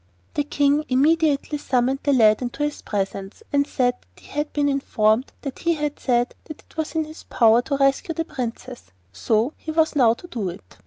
The King immediately summoned the lad into his presence, and said that he had been informed that he had said that it was in his power to rescue the Princess, so he was now to do it.